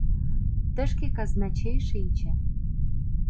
Тышке казначей шинче.